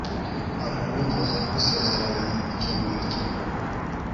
Ntabwo nigeze ngusezeranya ikintu na kimwe